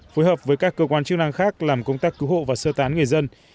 phối hợp với các cơ quan chức năng khác làm công tác cứu hộ và sơ tán người dân